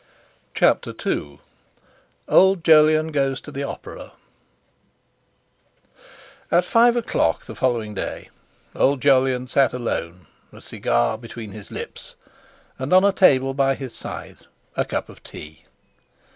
CHAPTER II OLD JOLYON GOES TO THE OPERA At five o'clock the following day old Jolyon sat alone, a cigar between his lips, and on a table by his side a cup of tea.